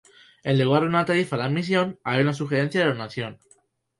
En lugar de una tarifa de admisión, hay una sugerencia de donación.